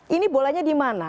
ini bolanya di mana